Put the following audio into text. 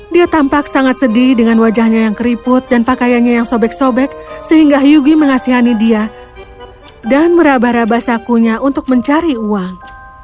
dia tampak sangat sedih dengan wajahnya yang keriput dan pakaiannya yang sobek sobek sehingga yugi mengasihani dia dan merabah rabah sakunya untuk mencari uang